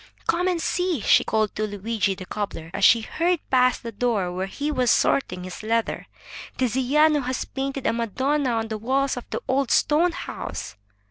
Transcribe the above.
"Come and see!" she called to Luigi, the cobbler, as she hurried past the door where he was sorting his leather. "Tiziano has painted a madonna on the walls of the old stone house."